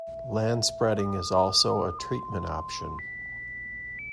Land spreading is also a treatment option.